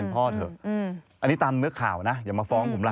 หลีนี้คือข่าวนะอย่ามาฟ้องผมนะ